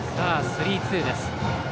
スリーツーです。